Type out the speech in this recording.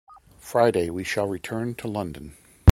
Friday we shall return to London.